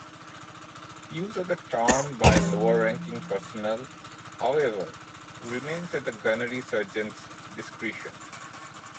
Use of the term by lower-ranking personnel, however, remains at the gunnery sergeant's discretion.